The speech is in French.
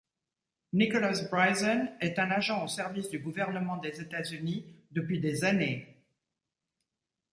Nicholas Bryson est un agent au service du gouvernement des États-Unis depuis des années.